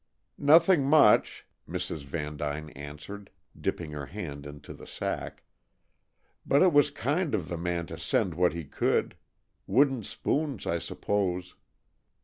"Nothing much," Mrs. Vandyne answered, dipping her hand into the sack. "But it was kind of the man to send what he could. Wooden spoons, I suppose.